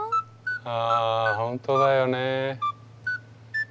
あ本当だよね。